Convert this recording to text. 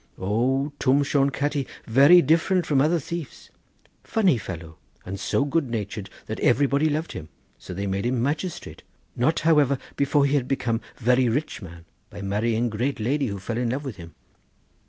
"O, Twm Shone Catti very different from other thieves; funny fellow, and so good natured that everybody loved him—so they made him magistrate, not, however, before he had become very rich man by marrying great lady who fell in love with him."